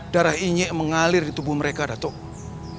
darah inyek mengalir di tubuh mereka dato'